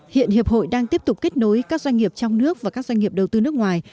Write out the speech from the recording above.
hiện hiệp hội đang tiếp tục kết nối các doanh nghiệp trong nước và các doanh nghiệp đầu tư nước ngoài